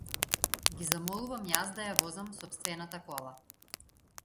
Ги замолувам јас да ја возам сопствената кола.